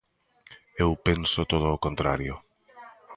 Eu penso todo o contrario.